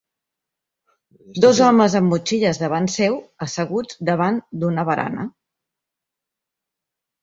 Dos homes amb motxilles davant seu asseguts davant d'una barana.